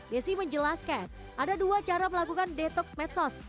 desi menjelaskan ada dua cara melakukan detox medsos